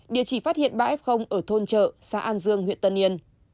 địa chỉ phát hiện ba f ở thôn chợ xã an dương huyện tân yên